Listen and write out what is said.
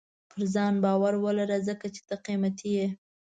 • پر ځان باور ولره، ځکه چې ته قیمتي یې.